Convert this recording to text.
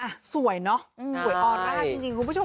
อ่ะสวยเนอะหัวอ่อนมากจริงคุณผู้ชม